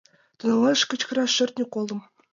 Тӱҥалеш кычкыраш шӧртньӧ колым.